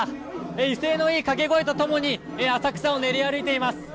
威勢のいい掛け声と共に浅草を練り歩いています。